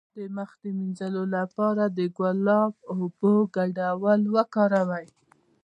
د مخ د مینځلو لپاره د ګلاب او اوبو ګډول وکاروئ